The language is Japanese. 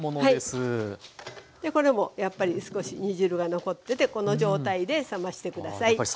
でこれもやっぱり少し煮汁が残っててこの状態で冷ましてください。